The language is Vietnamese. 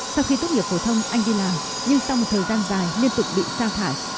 sau khi tốt nghiệp phổ thông anh đi làm nhưng sau một thời gian dài liên tục bị xa thải